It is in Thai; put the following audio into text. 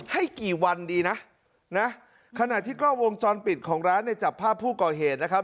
ให้กี่วันดีนะนะขณะที่กล้องวงจรปิดของร้านเนี่ยจับภาพผู้ก่อเหตุนะครับ